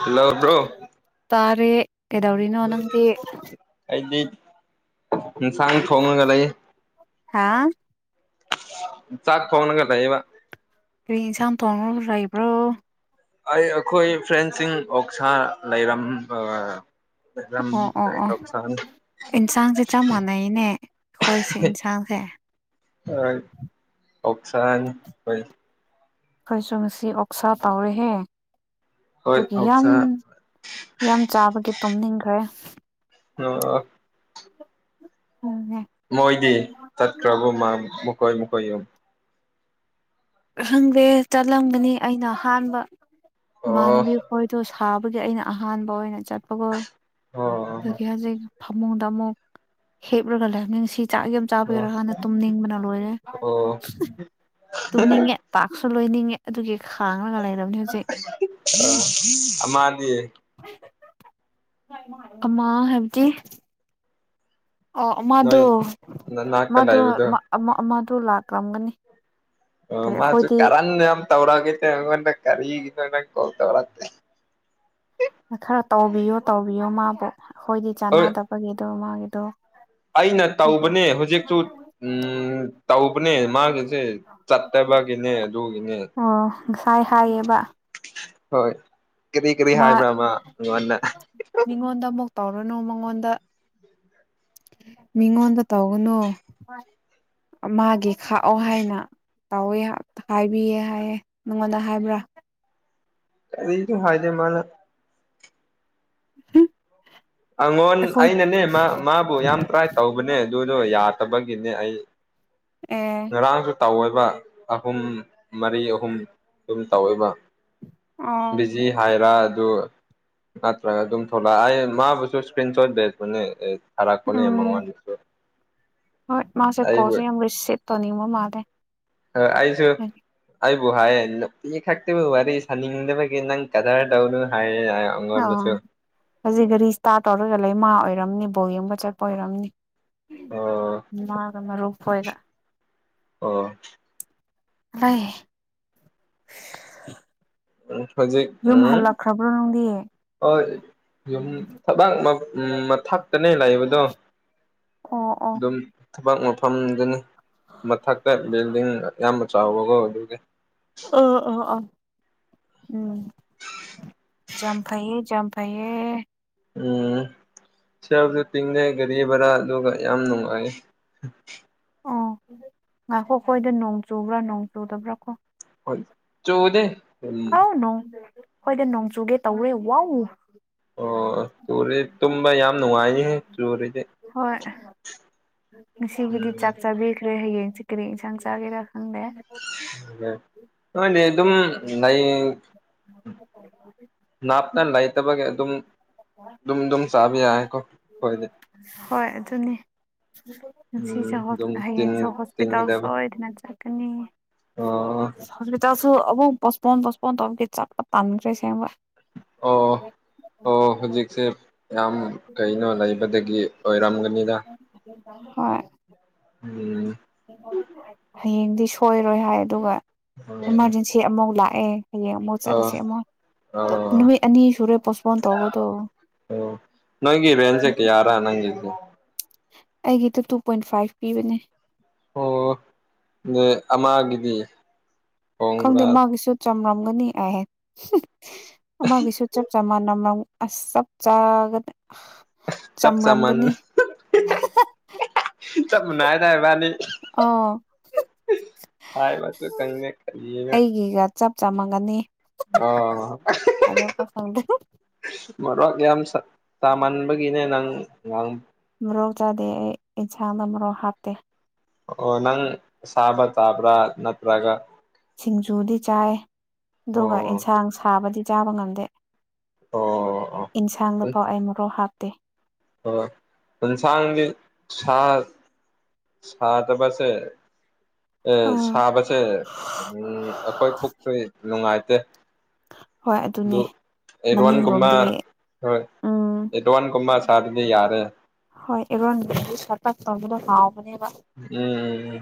hello bro ꯇꯥꯔꯦ ꯀꯩꯗꯧꯔꯤꯅꯣ ꯅꯪꯗꯤ ꯁꯥꯡ ꯊꯣꯡꯉꯒ ꯂꯩ ꯍꯥꯥ ꯆꯥꯛꯥꯛ ꯐꯋꯥ ꯅ ꯀ ꯇ ꯑꯦꯕ ꯀ ꯏꯟꯁꯥꯅ ꯇꯣꯡꯅꯏꯕ꯭ꯔꯣ ꯑꯩ ꯑꯩꯈꯣꯏ ꯐ꯭ꯔꯦꯟꯁꯤꯡ ꯑꯣꯛꯁꯥ ꯂꯩꯔꯝ ꯂꯩꯔꯝ ꯑꯣ ꯑꯣ ꯑꯣ ꯑꯣꯛꯁꯥꯅꯤ ꯏꯟꯁꯥꯡꯁꯦ ꯆꯞ ꯃꯥꯟꯅꯩꯅꯦ ꯑꯩꯈꯣꯏꯁꯤ ꯌꯦꯟꯁꯥꯡꯁꯦ ꯍ ꯑꯣꯐꯁꯟ ꯍꯣꯏ ꯑꯩꯣꯏꯁꯨ ꯉꯁꯤ ꯑꯣꯛꯁꯥ ꯇꯥꯎꯔꯦꯍꯦ ꯍꯣꯏ ꯑꯗꯨꯒꯤ ꯌꯥꯝ ꯑꯣꯛꯁꯥ ꯌꯥꯝ ꯆꯥꯕꯒꯤ ꯇꯨꯝꯅꯤꯡꯈ꯭ꯔꯦ ꯑ ꯑꯗꯨꯅꯦ ꯃꯣꯏꯗꯤ ꯇꯠ꯭ꯔꯕꯨ ꯃꯥ ꯃꯨꯀꯣꯏ ꯃꯨꯀꯣꯏ ꯌꯨꯝ ꯈꯪꯗꯦ ꯆꯠꯂꯝꯕꯅꯤ ꯑꯩꯅ ꯑꯍꯥꯟꯕ ꯑꯣ ꯏꯃꯥꯟꯅꯕꯤ ꯈꯣꯏꯗꯣ ꯊꯥꯕꯒꯤ ꯑꯩꯅ ꯑꯍꯥꯟꯕ ꯑꯣꯏꯅ ꯆꯠꯄꯒꯣ ꯑꯣ ꯑꯗꯨꯒꯤ ꯍꯧꯖꯤꯛ ꯐꯃꯨꯡꯗ ꯑꯃꯨꯛ ꯍꯦꯞꯂꯒ ꯂꯥꯏꯞꯅꯤꯡꯁꯤ ꯆꯥꯛ ꯌꯥꯝ ꯑꯣ ꯆꯥꯕꯔꯣ ꯍꯥꯟꯅ ꯇꯨꯝꯅꯤꯡꯕꯅ ꯂꯣꯏꯔꯦ ꯑꯣ ꯇꯨꯝꯅꯤꯡꯉꯦ ꯄꯥꯛꯁꯨ ꯇꯥꯛꯁꯁꯨ‌ ꯂꯣꯏꯅꯤꯡꯉꯦ ꯑꯗꯨꯒꯤ ꯈꯥꯡꯉꯒ ꯂꯩꯔ ꯑꯃꯗꯤꯌꯦ [unintelligible] ꯑꯃ ꯍꯥꯏꯕꯗꯤ ꯑꯣ ꯅꯣꯏ ꯃꯥꯗꯣ ꯅꯅꯥꯛꯇ ꯃꯥꯗꯣ ꯂꯩꯕꯗꯣ ꯑꯃꯗꯣ ꯂꯥꯛꯂꯝꯒꯅꯤ ꯑꯥ ꯀꯔꯤ ꯃꯥꯁꯨ ꯑꯩꯈꯣꯏꯗꯤ ꯀꯔꯅꯤ ꯌꯥꯝ ꯇꯧꯔꯒꯦ ꯉꯅ ꯀꯔꯤꯅ ꯀꯠꯇꯔꯠꯇꯦ [unintelligible] ꯈꯔ ꯇꯧꯕꯤꯌꯨ ꯇꯧꯕꯤꯌꯣ ꯃꯥꯕꯨ ꯑꯩꯈꯣꯏꯗꯤ ꯍꯣꯏ ꯆꯥꯟꯅꯗꯕꯒꯤꯗꯣ ꯃꯥꯒꯤꯗꯣ ꯑꯩꯅ ꯑꯗꯨꯒꯤ ꯇꯧꯕꯅꯦ ꯍꯧꯖꯤꯛꯁꯨ ꯇꯧꯕꯅꯦ ꯃꯥꯒꯤꯁꯦ ꯆꯠꯇꯥꯕꯒꯤꯅ‌ꯦ ꯑꯗꯨꯒꯤꯅꯦ ꯑꯣ ꯉꯁꯥꯏ ꯍꯥꯏꯌꯦꯕ ꯍꯣꯏ ꯀꯔꯤ ꯀꯔꯤ ꯍꯥꯏꯕ꯭ꯔꯥ ꯃꯥ ꯑꯩꯉꯣꯟꯗ ꯇꯥꯎꯔꯨꯅꯨ ꯃꯉꯣꯟꯗ ꯃꯤꯉꯣꯟꯗ ꯇꯧꯒꯅꯨ ꯃꯥꯒꯤ ꯈꯥꯛꯑꯣ ꯍꯥꯏꯅ ꯇꯧꯋꯦ ꯍꯥꯏꯕꯤꯌꯦ ꯍꯥꯏꯌꯦꯦ ꯅꯪꯉꯣꯟꯗ ꯍꯥꯏꯕ꯭ꯔꯥ ꯀꯤꯝ ꯍꯥꯏꯗ‌ꯦ ꯃꯥꯅ ꯎꯝ [unintelligible] ꯑꯉꯣꯟ ꯑꯩꯅꯅꯦ ꯃꯥꯕꯨ ꯌꯥꯝ ꯇ꯭ꯔꯥꯏ ꯇꯧꯕꯅꯦ ꯑꯗꯨꯗꯣ ꯌꯥꯗꯕꯒꯤꯅꯦ ꯑꯩ ꯑ‌ꯦ ꯉꯔꯥꯡꯁꯨ ꯇꯧꯋꯦꯕ ꯑꯍꯨꯝ ꯃꯔꯤ ꯑꯍꯨꯝ ꯑꯗꯨꯝ ꯇꯧꯋꯦꯕ ꯑ ꯕꯤꯖꯤ ꯍꯥꯏꯔꯥ ꯑꯗꯨ ꯅꯠꯇ꯭ꯔꯒ ꯑꯗꯨꯝ ꯊꯣꯛꯂꯛ ꯑꯩ ꯃꯥꯕꯨꯁꯨ ꯏꯁꯀ꯭ꯔꯤꯟ ꯁꯣꯠ ꯂꯩꯕꯅ‌ꯦ ꯊꯔꯠꯄꯅꯦ ꯎꯝ ꯃꯉꫭꯟꯗꯁꯨ ꯍꯣꯏ ꯃꯥꯁꯦ ꯀꯣꯜꯁꯨ ꯌꯥꯝ ꯔꯤꯁꯤꯞ ꯇꯧꯅꯤꯡꯕ ꯃꯥꯟꯜꯂ‌ꯦ ꯑ ꯑꯩꯁꯨ ꯑꯩꯕꯨ ꯍꯥꯏꯌꯦ ꯇꯤ [unintelligible] ꯈꯛꯇꯤꯕꯨ ꯋꯥꯔꯤ ꯁꯥꯅꯤꯡꯗꯕꯒꯤ ꯅꯪ ꯀꯗꯥꯔ ꯇꯧꯅꯨ ꯍꯥꯏꯌꯦ ꯑꯥ ꯑꯩꯉꯣꯟꯗꯁꯨ ꯍꯧꯖꯤꯛ ꯒꯥꯔꯤ ꯏꯁꯇꯥꯔꯠ ꯇꯧꯔꯒ ꯂꯩꯃꯥ ꯑꯣꯏꯔꯝꯅꯤ ꯕꯣꯜ ꯌꯦꯡꯕ ꯆꯠꯄ ꯑꯣꯏꯔꯝꯅꯤ ꯑꯣ ꯃꯥꯒ ꯃꯔꯨꯞ ꯈꫭꯏꯒ ꯑꯣ ꯂꯩꯏ ꯎꯝ ꯍꯧꯖꯤꯛ ꯎꯝ ꯅꯪꯗꯤ ꯍꫭꯏ ꯌꯨꯝ ꯊꯕꯛ ꯎꯝ ꯃꯊꯛꯇꯅꯦ ꯂꯩꯏꯕꯗꯣ ꯑꯣꯑꯣ ꯊꯕꯛ ꯃꯐꯝꯗꯨꯅꯤ ꯃꯊꯛꯇ ꯕꯤꯜꯗꯤꯡ ꯌꯥꯝꯅ ꯆꯥꯎꯕꯒ ꯑꯗꯨꯒꯤ ꯑꯥ ꯑꯥꯥ ꯑꯥ ꯎꯝ ꯌꯥꯝ ꯐꯩꯌꯦ ꯌꯥꯝ ꯐꯩꯌꯦ ꯎꯝ ꯁꯦꯜꯁꯨ ꯇꯤꯡꯗ‌ꯦ ꯒꯥꯔꯤ ꯚꯔꯥ ꯑꯗꯨꯒ ꯌꯥꯝ ꯅꯨꯡꯉꯥꯏꯌ‌ꯦ ꯑꯣ ꯉꯥꯛꯈꫭ ꯑꯩꯈꯣꯏꯗ ꯅꯣꯡ ꯆꯨꯕ꯭ꯔꯥ ꯅꯣꯡ ꯆꯨꯗꯕ꯭ꯔꯥ ꯀꯣ ꯆꯨꯗꯦ ꯎꯝ ꯑꯥ ꯅꯣꯡ ꯈꫭꯏꯗꯤ ꯅꯣꯡꯆꯨꯒꯦ ꯇꯧꫪ‌ꯦ ꯋꯥꯎ ꯑꯣ ꯆꯨꯔꯤ ꯇꯨꯝꯕ ꯌꯥꯝ ꯅꯨꯡꯉꯥꯏꯅꯤꯍ‌ꯦ ꯆꯨꯔꯗꯤ ꯍꯣꯏ ꯉꯁꯤꯒꯤꯗꯤ ꯆꯥꯛ ꯎꯝ ꯆꯥꯕꯤꯈ꯭ꯔꯦ ꯍꯌꯦꯡꯁꯦ ꯀꯔꯤ ꯏꯟꯁꯥꯡ ꯆꯥꯒꯦꯔꯥ ꯈꯪꯗꯦ ꯅꫭꯏꯗꯤ ꯑꯗꯨꯝ ꯍꯌꯦꯡ ꯅꯥꯞꯅ ꯂꯩꯇꯕꯒꯤ ꯑꯗꯨꯝ ꯗꯨꯝ ꯗꯨꯝ ꯆꯥꯕ ꯌꯥꯢꯌꯦꯀꯣ ꯍꯣꯏ ꯑꯗꯨꯅꯤ ꯁꯤꯁꯦ ꯎꯝ ꯍ ꯑꯗꯨꯝ ꯍꯌꯦꯡꯁꯦ ꯇꯤꯟ ꯍꯣꯁꯄꯤꯇꯥꯜ ꯇꯤꯟꯒꯗꯕ ꯁꯣꯏꯗꯅ ꯆꯠ ꯀꯅꯤ ꯑꯣ ꯍꯣꯁꯄꯤꯇꯥꯜ ꯗꯨꯨ ꯑꯃꯨꯛ ꯄꯁꯄꯣꯟ ꯄꯣꯁꯄꯣꯟ ꯇꯧꯔꯗꯤ ꯆꯞꯄ ꯇꯥꯟꯗ꯭ꯔꯦ ꯑꯁꯦꯝꯕ ꯑꯣ ꯑꯣ ꯍꯧꯖꯤꯛꯁꯦ ꯌꯥꯝ ꯀꯩꯅꯣ ꯂꯩꯕꯗꯒꯤ ꯑꯣꯏꯔꯝꯒꯅꯤꯗ ꯍꯣꯏ ꯎꯝ ꯍꯌꯦꯡꯗꯤ ꯁꯣꯏꯔꯣꯏ ꯍꯥꯏ ꯑꯗꯨꯒ ꯑ ꯏꯃꯥꯔꯖꯦꯟꯁꯤ ꯑꯃꯐꯥꯎ ꯂꯥꯛꯑꯦ ꯍꯌꯦꯡ ꯑꯃꯨꯛ ꯑ ꯆꯠꯂꯁꯤ ꯑꯃꯨꯛ ꯑ ꯅꯨꯃꯤꯠ ꯑꯣ ꯑꯅꯤ ꯁꯨꯔꯦ ꯄꯣꯁꯄꯣꯟ ꯇꯧꯕꯗꯣ ꯅꯣꯢꯒꯤ ꯔꯦꯟꯖꯦ ꯀꯌꯥꯔ ꯅꯪꯒꯤ ꯑꯩꯒꯤꯗ ꯇꯨ ꯄꯣꯏꯟ ꯐꯥꯏꯚ ꯄꯤꯕꯅꯦ ꯑꯣ ꯑꯃꯒꯤꯗꯤ ꯈꯪꯗꯦ ꯍꯣꯡꯕ꯭ꯔꯥ ꯃꯥꯒꯤꯁꯨ ꯆꯝꯔꯝꯒꯅꯤ ꯍꯥꯏꯍ ꯃꯥꯁꯨ ꯆꯞ ꯆꯥ ꯃꯥꯟꯅ ꯑꯁ ꯆꯞ ꯆꯥꯒꯗ ꯆꯞ ꯆꯥꯃꯟ ꯆꯞꯃꯥꯅꯏꯌꯦꯗ ꯏꯕꯥꯅꯤ ꯑꯥ ꯍꯥꯢꯕꯆꯨ ꯀꯪꯗꯦ ꯀꯔꯤꯅꯣ ꯑꯩꯒꯤꯒ ꯆꯞ ꯆꯥꯃꯒꯅꯤ ꯑ ꯑꯍꯍꯍꯦ ꯍꯥꯏꯗꯣꯛꯄ ꯈꯪꯗꯦ ꯄꯨꯔꯥꯛ ꯌꯥꯝ ꯆꯥꯃꯟꯕꯒꯤꯅꯦ ꯅꯪ ꯃꯔꯧ ꯆꯥꯗꯦ ꯑꯩ ꯏꯟꯁꯥꯡꯗ ꯃꯔꯧ ꯍꯥꯞꯇꯦ ꯑꯣ ꯅꯪ ꯁꯥꯕ ꯆꯥꯕ꯭ꯔꯥ ꯅꯠꯇ꯭ꯔꯒ ꯁꯤꯡꯖꯨꯗꯤ ꯆꯥꯏ ꯑꯗꯨꯒ ꯑꯣ ꯑꯦꯟꯁꯥꯡ ꯁꯥꯕꯗꯤ ꯆꯥꯕ ꯉꯝꯗꯦ ꯑꯣ ꯑꯣ ꯏꯟꯁꯥꯡ ꯂꯨ ꯄꯥꯎ ꯑꯩ ꯃꯣꯔꯣꯛ ꯍꯥꯞꯇꯦ ꯍꯣꯢ ꯑꯦꯟꯁꯥꯡꯗꯤ ꯁꯥ ꯁꯥ ꯇ ꯄꯁꯦ ꯑ ꯁꯥꯕꯁꯦ ꯑꯩꯈꯣꯏ ꯄꯨꯛꯁꯦ ꯅꯨꯡꯉꯥꯏꯇꯦ ꯍꯣꯏ ꯑꯗꯨ ꯑꯗꯨꯅꯦ ꯑꯦꯔ ꯋꯥꯟ ꯀꯨꯝꯕ ꯃꯅꯤꯡꯔꯣꯝꯗꯒꯤ ꯍꯣꯏ ꯎꯝ ꯏꯠꯋꯥꯟ ꯀꯨꯃꯥ ꯁꯔꯗꯤ ꯌꯥꯔꯦ ꯍꯣ ꯑꯦꯕꯣꯟ ꯆꯥꯛꯇꯥꯛ ꯇꯂꯒꯗ ꯈꯥ ꯅꯦꯕ ꯎꯝ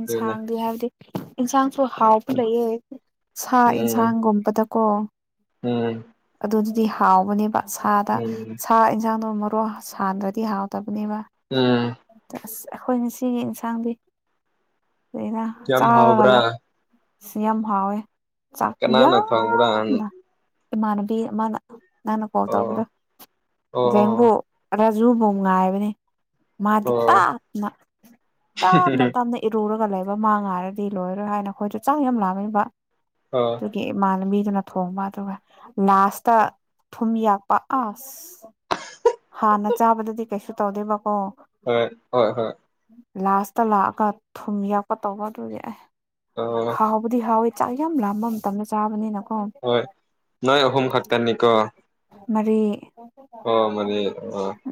ꯑꯗꯨꯅꯦ ꯍꯥꯏꯕꯗꯤ ꯏꯟꯁꯥꯡꯁꯨ ꯍꯥꯎꯕ ꯂꯩꯌꯦ ꯁꯥ ꯎꯝ ꯌꯦꯟꯁꯥꯡꯒꯨꯝꯕꯗꯀꯣ ꯎꯝ ꯗꯤ ꯍꯥꯎꯕꯅꯦꯕ ꯁꯥꯗ ꯎꯝ ꯁꯥ ꯌꯦꯟꯁꯥꯡꯗꯣ ꯃꯔꯣꯛ ꯁꯥꯟꯗ꯭ꯔꯗꯤ ꯍꯥꯎꯗꯕ ꯅꯦꯕ ꯎꯝ ꯑꯁ ꯑꯩꯈꯣꯏꯅ ꯁꯤꯒꯤ ꯌꯦꯟꯁꯥꯡꯗꯤ ꯌꯥꯝ ꯆꯥꯔ ꯍꯥꯎꯕ꯭ꯔꯥ ꯀꯜꯂꯥ ꯁꯤ ꯌꯥꯝ ꯍꯥꯎꯋꯦ ꯆꯥꯛ ꯀꯅꯥꯅ ꯌꯥꯝ ꯊꯣꯡꯕ꯭ꯔꯥ ꯏꯃꯥꯟꯅꯕꯤ ꯑꯃꯅ ꯅꯪꯅ ꯀꯣꯜ ꯇꯧꯕꯗꯣ ꯑꯣ ꯖꯦꯝꯕꯨ ꯑꯣ ꯈꯖꯨ ꯑꯃꯛ ꯉꯥꯏꯕꯅꯦ ꯃꯥꯗꯤ ꯑꯣ ꯇꯥꯞꯅ ꯇꯥꯞꯅ ꯇꯥꯞꯅ ꯏꯔꯨꯔꯒ ꯂꯩ ꯃꯥ ꯉꯥꯏꯔꯗꯤ ꯂꯣꯏꯔꯔꯣꯏ ꯍꯥꯏꯅ ꯑꯩꯈꯣꯏꯅ ꯆꯥꯛ ꯌꯥꯝ ꯂꯥꯝꯃꯦꯕ ꯑꯣ ꯑꯗꯨꯒꯤ ꯏꯃꯥꯟꯅꯕꯤ ꯑꯗꯨꯅ ꯊꯣꯡꯕ ꯑꯗꯨꯒ ꯂꯥꯁꯇ ꯊꯨꯝ ꯌꯥꯛꯄ ꯑꯁ ꯍꯥꯟꯅ ꯆꯥꯕꯗꯗꯤ ꯀꯩꯁꯨ ꯇꯧꯗꯦꯕꯀꯣ ꯍꯣꯏ ꯍꯣꯏ ꯍꯣꯏ ꯂꯥꯁꯇ ꯂꯥꯛꯑꯒ ꯊꯨꯝ ꯌꯥꯛꯄ ꯇꯧꯕ ꯑꯗꯨꯒꯤ ꯑꯦ ꯑꯣ ꯍꯥꯎꯕꯗꯤ ꯍꯥꯎꯋꯤ ꯆꯥꯛ ꯌꯥꯝ ꯂꯥꯝꯕ ꯃꯇꯝꯗ ꯆꯥꯕꯅꯤꯅꯀꯣ ꯍꯣꯏ ꯅꯣꯏ ꯑꯍꯨꯝ ꯈꯥꯛꯇꯥꯟꯅꯤꯀꯣ ꯃꯔꯤ ꯑꯣ ꯃꯅꯤ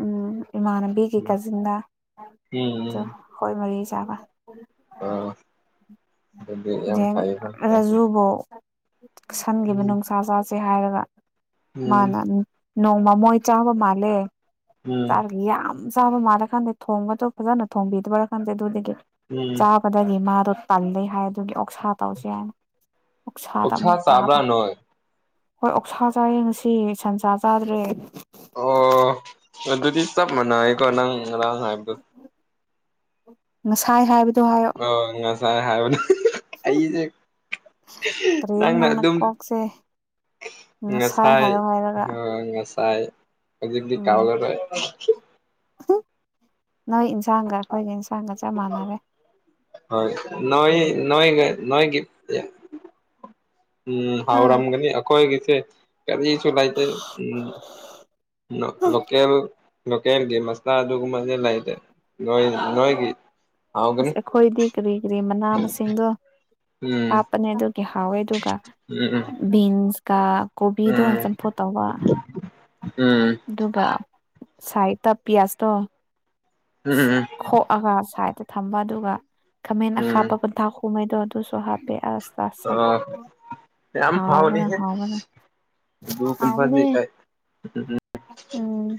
ꯎꯝ ꯏꯃꯥꯟꯅꯕꯤꯒꯤ ꯀꯥꯖꯤꯟꯗ ꯎꯝ ꯑ ꯎꯝ ꯍꯣꯏ ꯃꯔꯤ ꯆꯥꯕ ꯑꯣ ꯑꯗꯨꯗꯤ ꯌꯥꯝ ꯐꯩꯌꯦꯀꯣ ꯔꯖꯨꯕꯣ ꯁꯟꯈꯤꯕ ꯎꯝ ꯅꯨꯡꯁꯥ ꯆꯥꯁꯦ ꯍꯥꯏꯔꯒ ꯎꯝ ꯃꯥꯅ ꯅꯣꯡꯃꯃꯣꯏ ꯆꯥꯕ ꯃꯥꯜꯂꯦ ꯎꯝ ꯆꯥꯔ ꯌꯥꯝ ꯆꯥꯕ ꯃꯥꯜꯂꯀꯥꯟꯗ ꯊꯣꯡꯒꯁꯨ ꯐꯖꯅ ꯊꯣꯡꯕꯤꯗꯕꯔ ꯀꯥꯟꯗꯦ ꯑꯗꯨꯗꯒꯤ ꯎꯝ ꯆꯥꯕꯗꯒꯤ ꯃꯥꯗꯣ ꯇꯜꯂꯦ ꯍꯥꯏ ꯑꯗꯨꯒꯤ ꯑꯣꯛꯁꯥ ꯇꯧꯁ ꯍꯥꯏꯅ ꯃꯛꯁꯥꯗ ꯑꯣꯛꯁꯥ ꯑꯃꯨꯛ ꯆꯥꯕ꯭ꯔꯥ ꯇꯥꯕ ꯅꯣꯏ ꯍꯣꯏ ꯑꯣꯛꯁꯥ ꯆꯥ ꯌꯦꯡꯁꯤ ꯁꯟꯁꯥ ꯆꯥꯗ꯭ꯔꯦ ꯑꯣ ꯑꯗꯨꯗꯤ ꯆꯞ ꯃꯥꯟꯅꯩꯀꯣ ꯅꯪ ꯉꯔꯥꯡ ꯍꯥꯏꯕꯗꯣ ꯉꯁꯥꯏ ꯍꯥꯏꯕꯗꯤ ꯑ ꯉꯁꯥꯏ ꯍꯥꯏꯕꯅꯦ ꯑꯩꯁꯦ ꯀꯔꯤꯅꯣ ꯅꯪꯅ ꯑꯗꯨꯝ ꯀꯣꯛꯁꯦ ꯉꯁꯥꯏ ꯍꯥꯏꯌꯣ ꯍꯥꯏꯔꯒ ꯑ ꯉꯁꯥꯏ ꯇꯥꯏ ꯍꯧꯖꯤꯛꯗꯤ ꯎꯝ ꯀꯥꯎꯂ ꯇꯥꯏ ꯅꯣꯏ ꯏꯟꯁꯥꯡꯒ ꯑꯩꯈꯣꯏꯒ ꯏꯟꯁꯥꯡꯒ ꯆꯞ ꯃꯥꯟꯅꯔꯦ ꯣꯏꯒ ꯅꯣꯏꯒ ꯎꯝ ꯍꯥ ꯍꯥꯎꯔꯝꯒꯅꯤ ꯑꯈꯣꯏ ꯀꯁꯦ ꯀ ꯆꯂꯥꯏ ꯎ ꯂꯀꯦꯜ ꯂꯣꯀꯦꯜꯒꯤ ꯃꯁꯇ ꯑꯗꯨꯒꯨꯝꯕꯁꯦ ꯂꯩꯇꯦ ꯅꯣꯏ ꯅꯣꯏꯒꯤ ꯍꯥꯎꯒꯅꯤ ꯑꯁ ꯑꯩꯈꯣꯏꯗꯤ ꯀꯔꯤ ꯀꯔꯤ ꯃꯅꯥ ꯃꯁꯤꯡꯗꯣ ꯎꯝ ꯍꯥꯞꯄꯅꯦ ꯑꯗꯨ ꯍꯋꯦꯗꯨꯒ ꯎꯝ ꯕꯤꯟꯁ ꯀ ꯀꯣꯕꯤꯗꯣ ꯆꯝꯐꯣ ꯇꯧꯕ ꯎꯝ ꯑꯗꯨꯒ ꯁꯥꯏꯠꯇ ꯄꯤꯌꯥꯁꯇꯣ ꯎꯝ ꯎꯝ ꯈꯣꯛꯑꯒ ꯁꯥꯏꯗ ꯊꯝꯕ ꯑꯗꯨꯒ ꯈꯥꯃꯦꯟ ꯎꯝ ꯑꯈꯥꯞꯄ ꯄꯊꯥ ꯍꯨꯝꯉꯩꯗꯣ ꯑꯗꯨꯁꯨ ꯍꯥꯞ ꯑꯁ ꯑꯣ ꯑ ꯌꯥꯝ ꯍꯥꯎꯕꯅ ꯍꯥꯎꯅꯤꯍꯦ ꯍꯥꯎꯕꯅ ꯑꯗꯨꯒꯨꯝꯕꯗꯤ ꯑꯅꯦ ꯑꯩ ꯎꯝ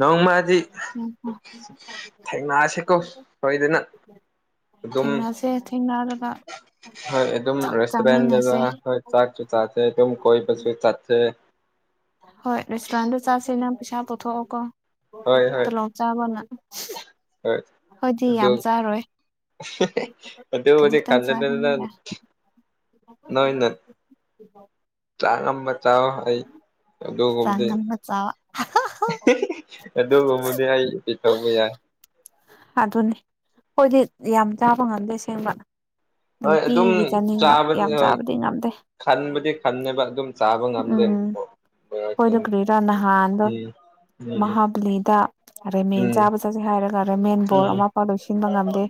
ꯅꯧꯣꯡꯃꯗꯤ ꯊꯦꯡꯅꯥꯁꯤꯀꯣ ꯁꯣꯏꯗꯅ ꯑꯗꯨꯝ ꯊꯦꯡꯅꯁꯦ ꯊꯦꯡꯅꯔꯒ ꯍꯣꯏ ꯑꯗꯨꯝ ꯆꯥꯛ ꯔꯦꯁꯇꯦꯟꯕ ꯆꯥꯃꯤꯟꯅꯁꯦ ꯍꯣꯏ ꯆꯥꯛꯁꯨ ꯆꯥ ꯑꯗꯨ ꯀꯣꯏ ꯄꯁꯨ ꯆꯁ ꯍꯣꯏ ꯔꯦꯁꯇꯨꯔꯦꯟꯗ ꯆꯥꯁꯤꯅ ꯄꯩꯁꯥ ꯄꯨꯊꯣꯛꯑꯣꯀꯣ ꯍꯣꯏ ꯍꯣꯏ ꯇꯨꯂꯣꯞ ꯆꯥꯕꯅ ꯍꯣꯏ ꯍꯣꯏꯗꯤ ꯌꯥꯝ ꯆꯥꯔꯣꯏ ꯑꯗꯨ ꯃꯗꯤ ꯈꯖꯤꯛꯇꯪ [unintelligible] ꯅꯪ ꯆꯥꯒꯅꯤꯗ ꯆꯥꯛ [unintelligible] ꯑꯃ ꯆꯥꯎ ꯑꯩ ꯆꯥꯡꯉꯝꯃ ꯆꯥꯎ [unintelligible] ꯑꯗꯨꯒꯕꯨꯗꯤ ꯑꯩ [unintelligible] ꯌꯥꯏ ꯑꯗꯨꯅꯤ ꯑꯈꯣꯏꯗꯤ ꯌꯥꯝ ꯆꯥꯕ ꯉꯝꯗꯦ ꯑꯁꯦꯡꯕ ꯍꯣꯏ ꯑꯗꯨꯝ ꯅꯨꯡꯇꯤꯒꯤ ꯆꯥꯅꯤꯡꯕ ꯆꯥꯕꯗꯤ ꯌꯥꯝ ꯍꯣꯏ ꯆꯥꯕꯗꯤ ꯉꯝꯗꯦ ꯈꯟꯕꯗꯤ ꯈꯟꯅꯦꯕ ꯑꯗꯨꯝ ꯆꯥꯕ ꯉꯝꯗꯦ ꯍꯣꯏꯗ ꯎꯝ ꯀꯔꯤꯔꯥ ꯅꯍꯥꯟꯗꯣ ꯎꯝ ꯃꯍꯥꯕꯂꯤꯗ ꯑꯔꯦ ꯃꯦꯟ ꯎꯝ ꯆꯥꯕ ꯆꯠꯁꯦ ꯍꯥꯏꯔꯒ ꯔꯦꯃꯦꯟ ꯕꯣꯔ ꯎꯝ ꯑꯃꯐꯥꯎ ꯂꯣꯏꯁꯤꯟꯕ ꯉꯝꯗꯦ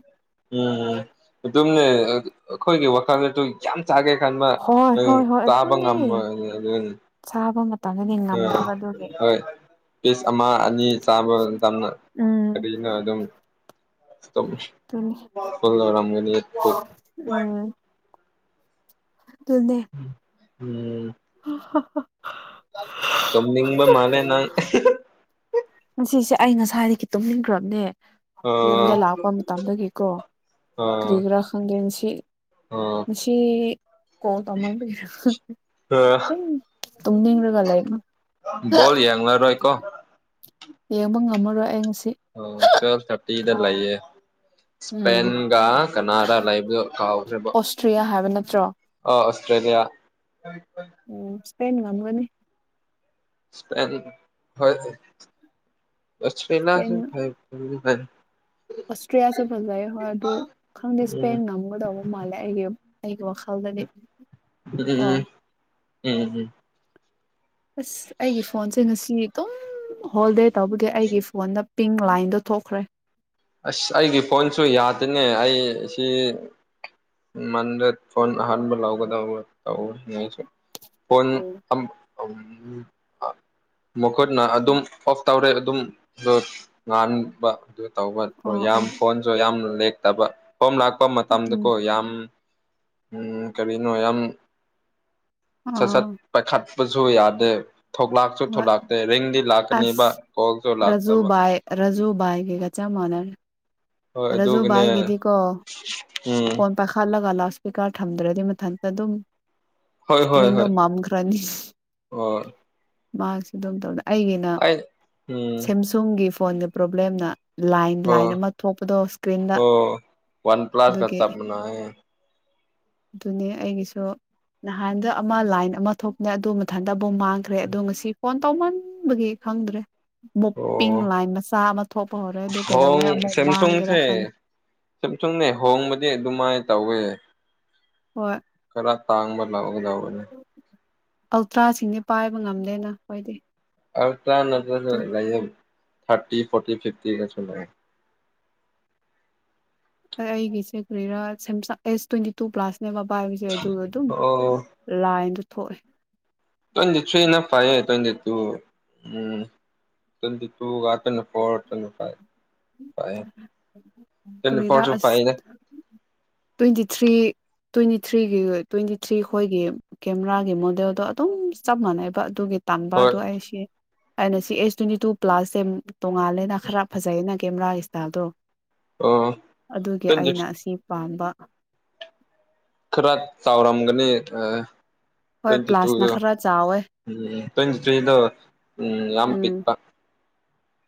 ꯎꯝꯝ ꯑꯗꯨꯝꯅꯦ ꯑꯩꯈꯣꯏꯒꯤ ꯋꯥꯈꯜꯗꯁꯨ ꯌꯥꯝ ꯆꯥꯒꯦ ꯈꯟꯕ ꯍꯣꯏ ꯍꯣꯏ ꯍꯣꯏ ꯑꯗꯨꯅꯦ ꯆꯥꯕꯉꯝꯔꯣꯏ [unintelligible] ꯁꯥꯕ ꯃꯇꯝꯗꯗꯤ ꯑ ꯉꯝꯗꯕ ꯑꯗꯨꯒꯤ ꯍꯣꯏ ꯄꯤꯁ ꯑꯃ ꯑꯅꯤ ꯆꯥꯕ ꯃꯇꯝꯗ ꯎꯝ ꯀꯔꯤꯅꯣ ꯑꯗꯨꯝ ꯑꯗꯨꯅꯦ [unintelligible] ꯇꯨꯅꯦ ꯎꯝ [unintelligible] ꯇꯝ ꯅꯤꯡꯕ ꯃꯥꯜꯂꯦ ꯅꯪ [unintelligible] ꯁꯤꯁꯦ ꯑꯩ ꯉꯁꯥꯏꯗꯒꯤ ꯇꯨꯝꯅꯤꯡꯈ꯭ꯔꯕꯅꯦ ꯑ ꯌꯨꯝꯗ ꯂꯥꯛꯄ ꯃꯇꯝꯗꯒꯤꯀꯣ ꯑ ꯀꯔꯤꯒꯤꯔ ꯈꯪꯗꯦ ꯃꯁꯤ ꯑ ꯉꯁꯤ ꯀꯣꯜ ꯇꯧꯃꯟꯕꯒꯤꯔꯥ ꯈꯪ [unintelligible] ꯑꯗꯨꯝ ꯇꯨꯝ ꯅꯤꯡꯔꯒ ꯂꯩꯃ ꯕꯣꯜ ꯌꯦꯡꯂꯔꯣꯏ ꯀꯣ ꯌꯦꯡꯕ ꯉꯝꯃꯔꯣꯏ ꯑꯩ ꯉꯁꯤ ꯑꯣ ꯇ꯭ꯋꯦꯜꯐ ꯊꯔꯇꯤꯗ ꯂꯩꯌꯦ ꯏꯁꯄꯦꯟꯒ ꯀꯅꯥꯔꯥ ꯂꯩꯕꯗꯨ ꯀꯥꯎꯈ꯭ꯔꯦꯕꯨ ꯑꯣꯁꯇ꯭ꯔꯤꯌꯥ ꯍꯥꯏꯕ ꯅꯠꯇ꯭ꯔꯣ ꯑꯣ ꯑꯣꯁꯇ꯭ꯔꯦꯂꯤꯌꯥ ꯎꯝ ꯏꯁꯄꯦꯟ ꯉꯝꯒꯅꯤ ꯏꯁꯄꯦꯟ [unintelligible] ꯑꯣꯁꯇ꯭ꯔꯤꯌꯥꯁꯨ ꯐꯖꯩ ꯍꯣꯏ ꯑꯗꯨ ꯈꯪꯗꯦ ꯎꯝ ꯏꯁꯄꯦꯟ ꯉꯝꯒꯗꯧꯕ ꯃꯥꯜꯂꯦ ꯑꯩꯒꯤ ꯑꯩꯒꯤ ꯋꯥꯈꯜꯗ ꯕꯅꯤ [unintelligible] ꯎꯝ ꯎꯝ [unintelligible] ꯑꯁ ꯑꯩꯒꯤ ꯐꯣꯟꯁꯦ ꯉꯁꯤ ꯑꯗꯨꯝ ꯍꯣꯜ ꯗꯦ ꯇꯧꯕꯒꯤ ꯑꯩꯒꯤ ꯐꯣꯟꯗ ꯄꯤꯡ ꯂꯥꯏꯟꯗꯣ ꯊꯣꯛꯈ꯭ꯔꯦ ꯑꯁ ꯑꯩꯒꯤ ꯐꯣꯟꯁꯨ ꯌꯥꯗꯦꯅꯦ ꯑꯩ ꯑꯁꯤ ꯃꯟꯗꯦ ꯐꯣꯟ ꯑꯍꯟꯕ ꯂꯧꯒꯗꯕꯅꯤ [unintelligible] ꯐꯣꯟ [unintelligible] ꯃꯈꯨꯠꯅ ꯑꯗꯨꯝ ꯑꯣꯐ ꯇꯧꯔꯦ ꯑꯗꯨꯝ [unintelligible] ꯉꯥꯟꯕ ꯑꯗꯨ ꯇꯧꯕ ꯑꯣ ꯌꯥꯝ ꯑꯣ ꯐꯣꯟꯁꯨ ꯌꯥꯝꯅ ꯂꯦꯛꯇꯕ ꯍꯣꯝ ꯂꯥꯛꯄ ꯎꯝ ꯃꯇꯝꯗꯀꯣ ꯌꯥꯝ ꯎꯝ ꯀꯔꯤꯅꯣ ꯌꯥꯝ ꯁꯠ ꯁꯠ ꯑꯥ ꯄꯥꯏꯈꯠꯄꯁꯨ ꯌꯥꯗꯦ ꯊꯣꯛꯂꯛꯁꯨ ꯍꯣꯏ ꯊꯣꯂꯛꯇꯦ ꯔꯤꯡꯗꯤ ꯂꯥꯛꯀꯅꯤꯕ ꯑꯁ ꯀꯣꯜꯁꯗꯨ ꯔꯥꯖꯨ ꯂꯥꯛꯇꯕ ꯕꯥꯏ ꯔꯥꯖꯨ ꯃꯥꯟꯅꯔꯦ [unintelligible] ꯍꯣꯏ ꯔꯖꯨ ꯑꯗꯨꯒꯅꯦ ꯕꯥꯏꯒꯤꯗꯤꯀꯣ ꯎꯝ ꯐꯣꯟ ꯄꯥꯏꯈꯠꯂꯒ ꯂꯥꯎꯠ ꯏꯁꯄꯤꯀꯔ ꯊꯝꯗ꯭ꯔꯗꯤ ꯃꯊꯟꯇ ꯑꯗꯨꯝ ꯍꯣꯏ ꯍꯣꯏ ꯏꯁꯀ꯭ꯔꯤꯟꯗꯣ ꯍꯣꯏ ꯃꯝ ꯈꯔꯅꯤ ꯑꯣ ꯃꯍꯥꯛꯁꯨ ꯑꯗꯨꯝ [unintelligible] ꯑꯩꯒꯤꯅ ꯑꯩ ꯎꯝ ꯁꯦꯝꯁꯨꯡꯒꯤ ꯐꯣꯟꯗ ꯄ꯭ꯔꯣꯕ꯭ꯂꯦꯝꯅ ꯂꯥꯏꯟ ꯑꯣ ꯂꯥꯏꯟ ꯑꯃ ꯊꯣꯛꯄꯗꯣ ꯏꯁꯀ꯭ꯔꯤꯟꯗ ꯑꯣ ꯑꯗꯨꯒꯤ [unintelligible] ꯑꯗꯨꯅꯤ ꯑꯩꯒꯤꯁꯨ ꯅꯍꯥꯟꯗ ꯑꯃ ꯂꯥꯏꯟ ꯑꯃ ꯊꯣꯛꯄꯅꯦ ꯑꯗꯨ ꯃꯊꯟꯗ ꯕꯨ ꯃꯥꯡꯈ꯭ꯔꯦ ꯑꯗꯣ ꯉꯁꯤ ꯐꯣꯟ ꯇꯧꯃꯟꯕꯒꯤ ꯈꯪꯗ꯭ꯔꯦ ꯑꯃꯨꯛ ꯑꯣ ꯄꯤꯡ ꯂꯥꯏꯟ ꯃꯆꯥ ꯑꯃ ꯊꯣꯛꯄ ꯍꯧꯔꯦ ꯑꯗꯨ ꯀꯩꯗꯧꯉꯩ ꯑꯃꯨꯛ ꯃꯥꯡꯒꯦꯔꯥ ꯈꯪꯗ ꯁꯨꯝꯁꯨꯡꯅꯦ ꯍꯣꯡꯕꯗꯤ ꯑꯗꯨꯃꯥꯏꯅ ꯇꯧꯋꯦ ꯍꯣꯏ ꯇꯥꯡ ꯃꯔ ꯂꯒ ꯌꯥꯎꯕꯅꯤ ꯑꯜꯇ꯭ꯔꯥꯁꯤꯡꯗꯤ ꯄꯥꯏꯕ ꯉꯝꯗꯦꯅ ꯍꯣꯏꯗꯤ ꯑ ꯇꯠꯇꯔ ꯂ ꯊꯥꯔꯇꯤ ꯐꯣꯔꯇꯤ ꯐꯤꯞꯇꯤꯒ ꯁꯂ ꯑꯩꯒꯤꯁꯦ ꯀꯦꯔꯤꯔꯥ ꯁꯦꯝꯁꯥꯡ ꯑꯦꯁ ꯇ꯭ꯋꯦꯟꯇꯤ ꯇꯨ ꯄ꯭ꯂꯥꯁ ꯅꯕ ꯄꯥꯏ ꯍꯥꯏꯕꯁꯦ ꯑꯗꯨ ꯑꯗꯨꯝ ꯑꯣ ꯂꯥꯏꯟꯗ ꯊꯣꯛꯑꯦ ꯇ꯭ꯋꯦꯟꯇꯤꯊ꯭ꯔꯤꯅ ꯐꯥꯏꯌꯦ ꯇ꯭ꯋꯦꯟꯇꯤ ꯇꯨ ꯎꯝ ꯇ꯭ꯋꯦꯟꯇꯤ ꯇꯨꯇ ꯐꯣꯔꯠꯇ ꯐ ꯀ ꯀꯔꯤꯔꯥ ꯐꯁꯨ ꯑꯁ ꯐꯅꯦ ꯇ꯭ꯋꯦꯟꯇꯤ ꯊ꯭ꯔꯤ ꯇ꯭ꯋꯦꯟꯇꯤ ꯊ꯭ꯔꯤꯒꯤ ꯇ꯭ꯋꯦꯟꯇꯤ ꯊ꯭ꯔꯤ ꯈꯣꯏꯒꯤ ꯀꯦꯃꯦꯔꯥꯒꯤ ꯃꯣꯗꯦꯜꯗꯣ ꯑꯗꯨꯝ ꯆꯞ ꯃꯥꯟꯅꯩꯕ ꯑꯗꯨꯒꯤ ꯇꯥꯟꯕ ꯍꯣꯏ ꯑꯗꯣ ꯑꯩꯁꯦ ꯑꯩꯅ ꯁꯤ ꯑꯦꯁ ꯇ꯭ꯋꯦꯟꯇꯤ ꯇꯨ ꯄ꯭ꯂꯥꯁꯁꯦ ꯇꯣꯡꯉꯥꯜꯂꯦꯅ ꯈꯔ ꯐꯖꯩꯌꯦꯅ ꯀꯦꯃꯦꯔꯥꯒꯤ ꯏꯁꯇꯥꯏꯜꯗꯣ ꯑꯣ ꯑꯗꯨꯒꯤ ꯇ꯭ꯋꯦꯟꯇꯤ ꯑꯩꯅ ꯑꯁꯤ ꯄꯥꯝꯕ ꯈꯔ ꯆꯥꯎꯔꯝꯒꯅꯤ ꯑꯥ ꯍꯣꯏ ꯇ꯭ꯋꯦꯟꯇꯤ ꯄ꯭ꯂꯥꯁꯅ ꯇꯨꯗ ꯈꯔ ꯆꯥꯎꯋꯦ ꯎꯝ ꯇ꯭ꯋꯦꯟꯇ ꯊ꯭ꯔꯤꯗꯣ ꯎꯝ ꯌꯥꯝꯝ ꯎꯝ ꯄꯤꯛꯄ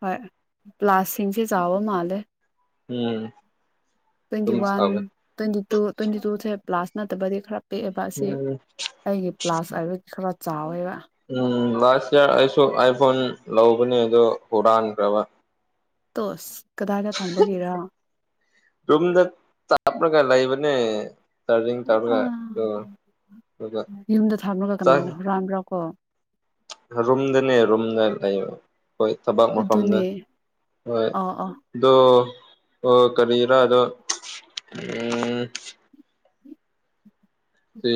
ꯍꯣꯏ ꯄ꯭ꯂꯥꯁꯤꯡꯁꯤ ꯆꯕ ꯃꯥꯂꯦ ꯎꯝ ꯇ꯭ꯋꯦꯟꯇꯤ ꯑꯗꯨꯝ ꯋꯥꯟ ꯁꯥꯕ ꯇ꯭ꯋꯦꯟꯇꯤ ꯇꯨ ꯇ꯭ꯋꯦꯟꯇꯤ ꯇꯨꯁꯦ ꯄ꯭ꯂꯥꯁ ꯅꯠꯇꯕꯗꯤ ꯈꯔ ꯄꯤꯛꯑꯦꯕ ꯑꯁꯤ ꯎꯝ ꯑꯩꯒꯤ ꯄ꯭ꯂꯥꯁ ꯍꯥꯏꯕ ꯈꯔ ꯆꯥꯎꯋꯦꯕ ꯎꯝ ꯂꯥꯁ ꯏꯡꯌꯥꯔ ꯑꯩꯁꯨ ꯑꯥꯏꯐꯣꯟ ꯂꯧꯕꯅꯤ ꯑꯗꯣ ꯍꯨꯔꯥꯟꯈ꯭ꯔꯕ ꯇꯣꯁ ꯀꯗꯥꯏꯗ ꯊꯝꯕꯒꯤꯔ ꯑꯞ ꯂꯒ ꯂꯩꯕꯅꯦ ꯇꯔꯔꯤꯡ ꯇꯧꯔꯒ ꯑꯥ ꯑꯗꯨꯒ ꯌꯨꯝꯗ ꯊꯝꯂꯒ ꯆꯥꯏ ꯀꯅꯥꯅ ꯍꯨꯔꯥꯟꯕ꯭ꯔꯥ ꯀꯣ ꯔꯨꯝꯗꯅꯦ ꯔꯨꯝꯗ ꯂꯩꯕ ꯍꯣꯏ ꯊꯕꯥꯛ ꯃꯐꯝꯗ ꯑꯗꯨꯅꯦ ꯍꯣꯏ ꯑꯥ ꯑꯥ ꯑꯗꯣ ꯑꯣ ꯀꯔꯤꯔꯥ ꯑꯗꯣ ꯎꯝ ꯁꯤ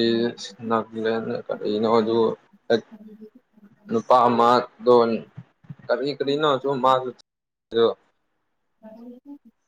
ꯅ [unintelligible] ꯑꯗꯨ ꯅꯨꯄꯥ ꯑꯃ ꯗꯣ ꯀꯔꯤ ꯀꯔꯤꯅꯣ ꯃꯥ [unintelligible] [unintelligible]